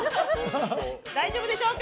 大丈夫でしょうか。